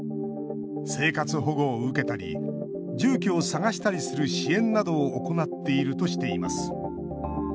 生活保護を受けたり住居を探したりする支援などを行っているとしています。